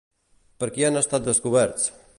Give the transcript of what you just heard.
Per qui han estat descoberts?